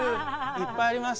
いっぱいあります。